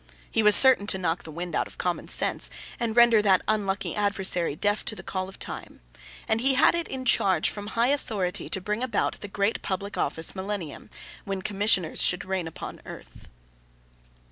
He was certain to knock the wind out of common sense, and render that unlucky adversary deaf to the call of time. And he had it in charge from high authority to bring about the great public office Millennium, when Commissioners should reign upon earth.